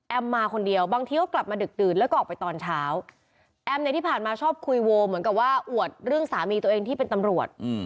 มาคนเดียวบางทีก็กลับมาดึกดื่นแล้วก็ออกไปตอนเช้าแอมเนี่ยที่ผ่านมาชอบคุยโวเหมือนกับว่าอวดเรื่องสามีตัวเองที่เป็นตำรวจ